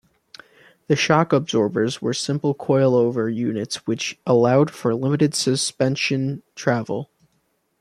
The shock absorbers were simple coilover units which allowed for limited suspension travel.